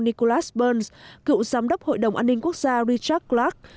nicholas burns cựu giám đốc hội đồng an ninh quốc gia richard clark